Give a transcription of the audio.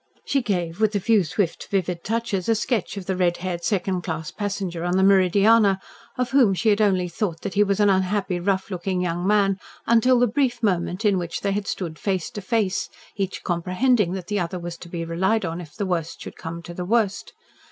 She gave, with a few swift vivid touches, a sketch of the red haired second class passenger on the Meridiana, of whom she had only thought that he was an unhappy, rough looking young man, until the brief moment in which they had stood face to face, each comprehending that the other was to be relied on if the worst should come to the worst.